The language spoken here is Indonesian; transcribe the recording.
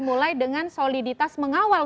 mulai dengan soliditas mengawal